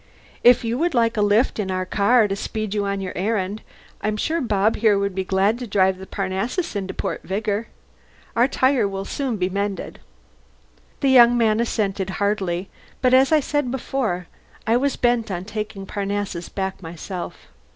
"If you would like a lift in our car to speed you on your errand, I'm sure Bob here would be glad to drive Parnassus into Port Vigor. Our tire will soon be mended." The young man assented heartily, but as I said before, I was bent on taking Parnassus back myself.